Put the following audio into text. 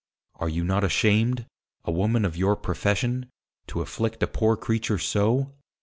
are you not ashamed, a Woman of your Profession, to afflict a poor Creature so?